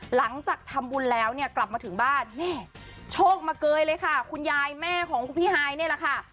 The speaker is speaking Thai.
หลังจากทำบุญแล้วเนี่ยกลับมาถึงบ้านแม่โชคมาเกยเลยค่ะคุณยายแม่ของคุณพี่ฮายนี่แหละค่ะ